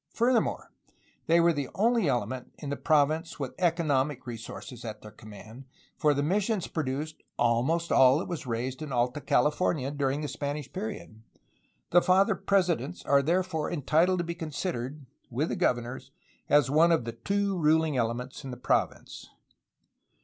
Furthermore, they were the only element in the province with economic resources at their command, for the missions produced almost all that was raised in Alta California dur ing the Spanish period. The Father Presidents are therefore entitled to be considered, with the governors, as one of the two ruling elements in the province.